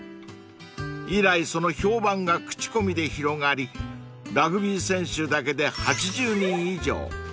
［以来その評判が口コミで広がりラグビー選手だけで８０人以上］